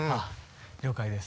了解です。